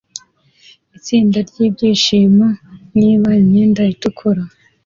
Itsinda ryibyishimo niba imyenda itukura